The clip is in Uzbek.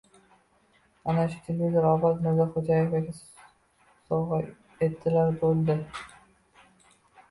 Ana shu televizor Obod Mirzaxo‘jaevaga sovg‘a etilar bo‘ldi.